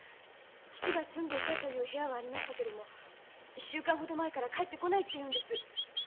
父が住んでいたという部屋はありましたけども１週間ほど前から帰ってこないっていうんです。